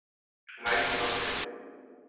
來一起放影片